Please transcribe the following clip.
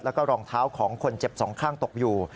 แล้วก็รองเท้าของคนเจ็บสองข้างตกอยู่